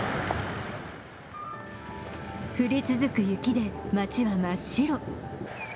降り続く雪で街は真っ白。